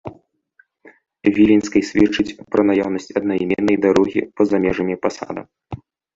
Віленскай сведчыць пра наяўнасць аднайменнай дарогі па-за межамі пасада.